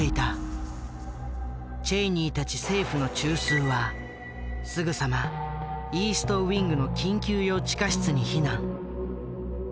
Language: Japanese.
チェイニーたち政府の中枢はすぐさまイーストウィングの緊急用地下室に避難。